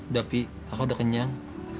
udah pi aku udah kenyang